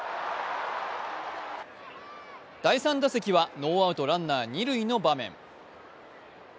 第３打席はノーアウトランナー二塁の場面。